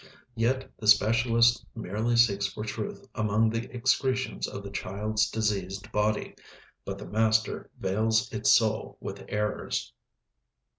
Yet the specialist merely seeks for truth among the excretions of the child's diseased body; but the master veils its soul with errors.